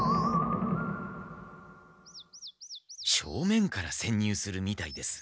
正面からせんにゅうするみたいです。